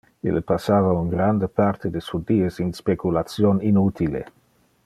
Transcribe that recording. Ille passava un grande parte de su dies in speculation inutile.